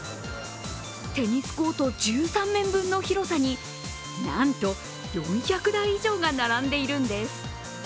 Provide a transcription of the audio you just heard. テニスコート１３面分の広さになんと４００台以上が並んでいるんです。